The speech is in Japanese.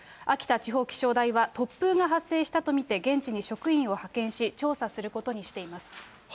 秋田地方気象台は、突風が発生したと見て、現地に職員を派遣し、調査することにしています。